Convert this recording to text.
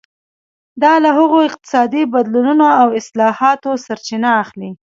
دا له هغو اقتصادي بدلونونو او اصلاحاتو سرچینه اخلي.